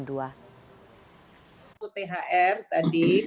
untuk thr tadi